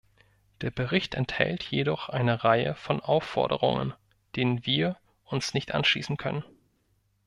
Der Bericht enthält jedoch eine Reihe von Aufforderungen, denen wir uns nicht anschließen können.